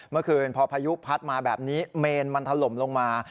เมื่อคืนพอพายุพัดมาแบบนี้เมนมันถล่มลงมา